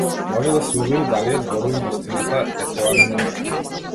Може да се увери дали ја зборувам вистината, е тоа ми може.